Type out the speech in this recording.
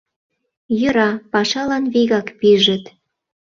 Йӧра, пашалан вигак пижыт.